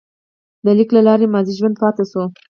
د لیک له لارې ماضي ژوندی پاتې شو.